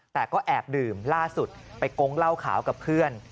แต่ก็แอบดื่มล่าสุดไปกงเหล้าขาวกับเพื่อน